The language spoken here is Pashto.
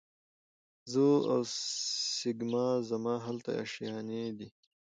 زه اوسېږمه زما هلته آشیانې دي